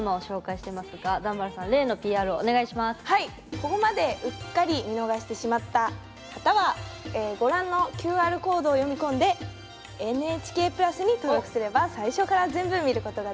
ここまでうっかり見逃してしまった方はご覧のＱＲコードを読み込んで「ＮＨＫプラス」に登録すれば最初から全部見ることができますよ。